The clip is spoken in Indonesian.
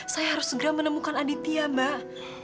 saya harus segera menemukan aditya mbak